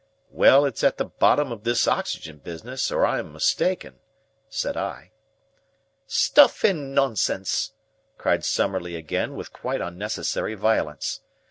"Well, it's at the bottom of this oxygen business, or I am mistaken," said I. "Stuff and nonsense!" cried Summerlee again with quite unnecessary violence.